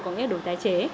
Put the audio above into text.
có nghĩa là đồ tái chế